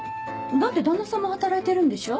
だって旦那さんも働いてるんでしょ？